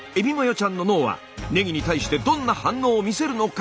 ちゃんの脳はねぎに対してどんな反応を見せるのか。